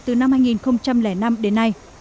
từ năm hai nghìn năm đến nay